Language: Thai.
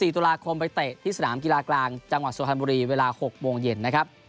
๔ตุลาคมไปเตะที่สนามกีฬากลางจังหวัดสุพรรณบุรีเวลา๖โมงเย็นนะครับ